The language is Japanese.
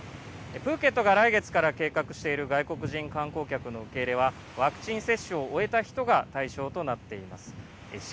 プーケットが来月から計画している外国人観光客の受け入れはワクチン接種を終えた人が対象となっています。